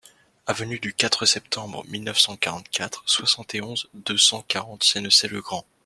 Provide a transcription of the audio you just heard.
Avenue du quatre Septembre mille neuf cent quarante-quatre, soixante et onze, deux cent quarante Sennecey-le-Grand